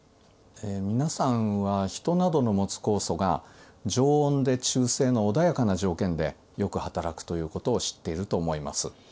皆さんはヒトなどの持つ酵素が常温で中性の穏やかな条件でよく働くということを知っていると思います。